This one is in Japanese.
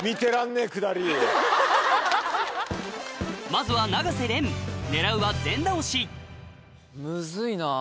まずはむずいな。